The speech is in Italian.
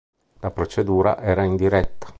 La procedura era indiretta.